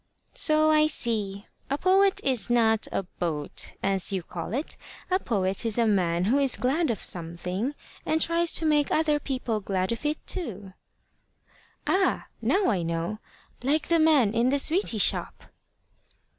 "So I see. A poet is not a bo at, as you call it. A poet is a man who is glad of something, and tries to make other people glad of it too." "Ah! now I know. Like the man in the sweety shop."